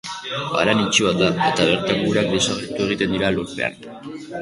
Haran itxi bat da, eta bertako urak desagertu egiten dira lurpean.